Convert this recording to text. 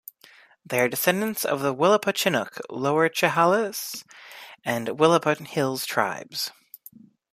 They are descendants of the Willapa Chinook, Lower Chehalis, and Willapa Hills tribes.